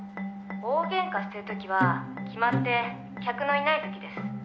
「大ゲンカしてる時は決まって客のいない時です」